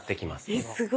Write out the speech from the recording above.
えっすごい。